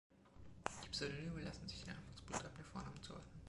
Die Pseudonyme lassen sich den Anfangsbuchstaben der Vornamen zuordnen.